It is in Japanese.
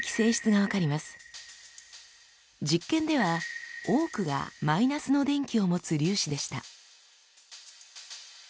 実験では多くがマイナスの電気を持つ粒子でした。